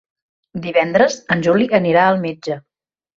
Divendres en Juli anirà al metge.